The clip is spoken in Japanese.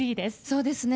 そうですね。